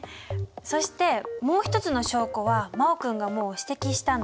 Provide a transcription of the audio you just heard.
そしてもう一つの証拠は真旺君がもう指摘したんだけど。